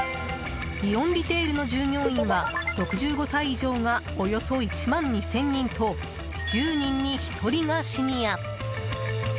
イオンリテールの従業員は６５歳以上がおよそ１万２０００人と１０人に１人がシニア。